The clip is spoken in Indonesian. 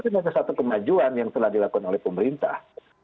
itu ada satu kemajuan yang telah dilakukan oleh pemerintah